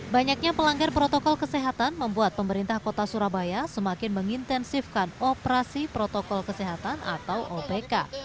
banyaknya pelanggar protokol kesehatan membuat pemerintah kota surabaya semakin mengintensifkan operasi protokol kesehatan atau opk